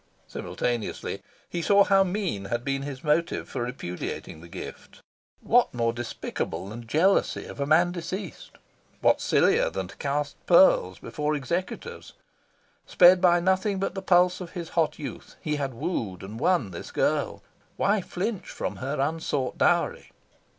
Simultaneously, he saw how mean had been his motive for repudiating the gift. What more despicable than jealousy of a man deceased? What sillier than to cast pearls before executors? Sped by nothing but the pulse of his hot youth, he had wooed and won this girl. Why flinch from her unsought dowry?